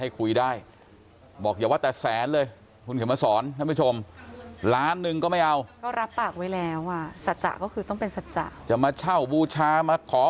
มันไม่เกี่ยวกับอัตมากไม่ใช่ตัวอัตมาก